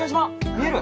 見える？